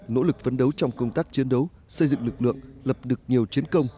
nỗ lực phấn đấu trong công tác chiến đấu xây dựng lực lượng lập được nhiều chiến công